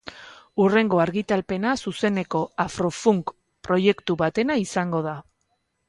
Hurrengo argitalpena zuzeneko afro-funk proiektu batena izango da.